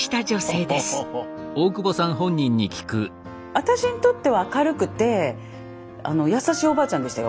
私にとっては明るくて優しいおばあちゃんでしたよ。